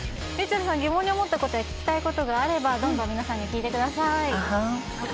ｒｙｕｃｈｅｌｌさん疑問に思ったことや聞きたいことがあればどんどん皆さんに聞いてくださいアハン